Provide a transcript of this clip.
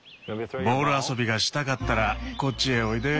ボール遊びがしたかったらこっちへおいで。